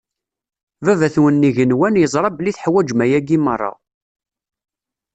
Baba-twen n igenwan yeẓra belli teḥwaǧem ayagi meṛṛa.